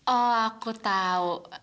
oh aku tahu